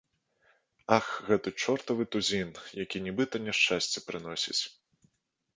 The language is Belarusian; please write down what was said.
Ах, гэты чортавы тузін, які нібыта няшчасці прыносіць.